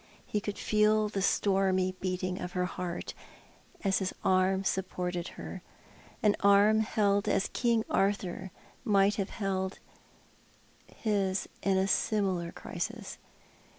He could feel the stormy beating of her heart as his arm supported lier — an arm held as King Arthur might have held his in a similar crisis.